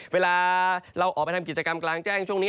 เวลาเราออกไปทำกิจกรรมกลางแจ้งช่วงนี้